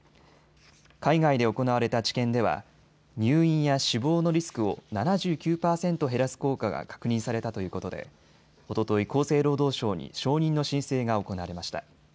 海外で行われた治験では入院や死亡のリスクを７９％減らす効果が確認されたということでおととい、厚生労働省に承認の申請が行われました。